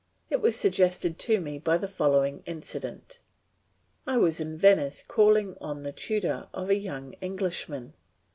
It was suggested to me by the following incident. I was in Venice calling on the tutor of a young Englishman.